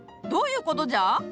どういうことじゃ？